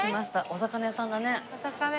お魚屋さんだね。